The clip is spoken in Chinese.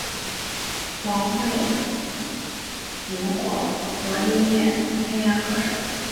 王汇筑果核音乐签约歌手。